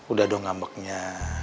udah dong ngambeknya